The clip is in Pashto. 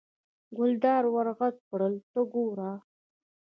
ګلداد ور غږ کړل: ته ګوره.